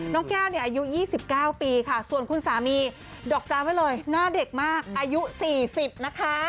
แก้วเนี่ยอายุ๒๙ปีค่ะส่วนคุณสามีดอกจานไว้เลยหน้าเด็กมากอายุ๔๐นะคะ